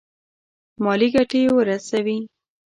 مالي ګټي ورسوي.